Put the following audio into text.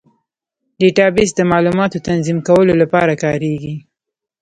ډیټابیس د معلوماتو تنظیم کولو لپاره کارېږي.